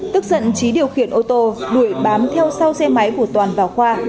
tức giận trí điều khiển ô tô đuổi bám theo sau xe máy của toàn vào khoa